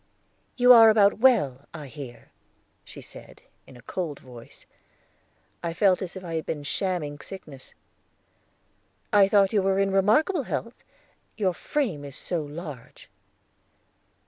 "You are about well, I hear," she said, in a cold voice. I felt as if I had been shamming sickness. "I thought you were in remarkable health, your frame is so large."